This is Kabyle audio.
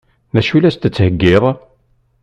D acu i la s-d-tettheggiḍ?